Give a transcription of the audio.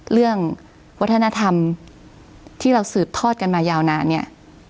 เรื่องวัฒนธรรมที่เราสืบทอดกันมายาวนานเนี่ย